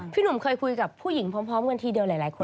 พี่หนุ่มเคยคุยกับผู้หญิงพร้อมกันทีเดียวหลายคน